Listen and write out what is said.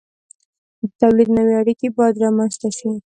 د تولید نوې اړیکې باید رامنځته شي.